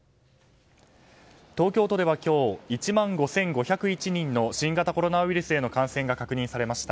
東京都では今日１万５５０１人の新型コロナウイルスへの感染が確認されました。